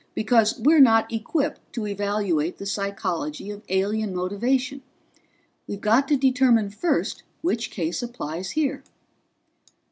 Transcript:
"Because we're not equipped to evaluate the psychology of alien motivation. We've got to determine first which case applies here."